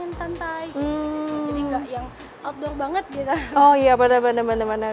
itu bisa kalau pakai buat main santai nggak yang outdoor banget gitu oh iya bener bener